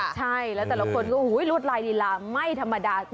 ใช่แล้วแต่ละคนก็ลวดลายลีลาไม่ธรรมดา